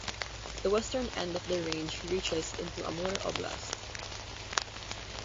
The western end of the range reaches into Amur Oblast.